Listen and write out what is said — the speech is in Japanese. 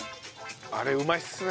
あれうまいっすね。